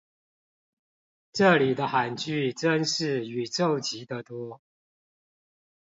這裡的罕句真是宇宙級的多